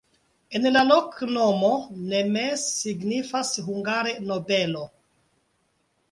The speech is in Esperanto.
En la loknomo nemes signifas hungare: nobelo.